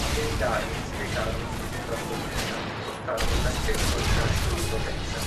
I gendarmi si recarono subito a Venosa e portarono Francesco al carcere di Potenza.